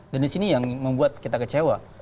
dan di sini yang membuat kita kecewa